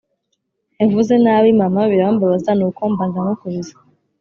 Yavuze nabi Mama birambabaza nuko mba ndamukubise